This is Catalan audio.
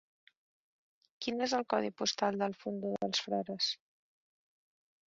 Quin és el codi postal del Fondó dels Frares?